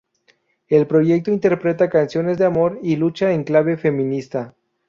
El proyecto interpreta canciones de amor y lucha en clave feminista.